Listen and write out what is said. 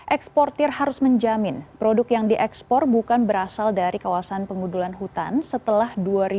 eksportir harus menjamin produk yang diekspor bukan berasal dari kawasan pengundulan hutan setelah dua ribu dua puluh